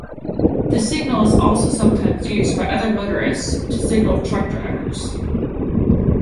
This signal is also sometimes used by other motorists to signal truck drivers.